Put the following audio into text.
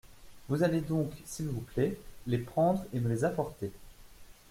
Vous allez donc, s'il vous plaît, les prendre et me les apporter.